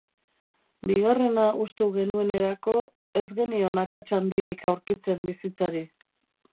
Bigarrena hustu genuenerako, ez genion akats handirik aurkitzen bizitzari.